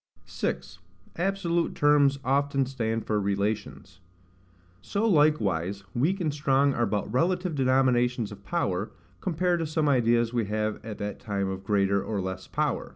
6. Absolute Terms often stand for Relations. So likewise weak and strong are but relative denominations of power, compared to some ideas we have at that time of greater or less power.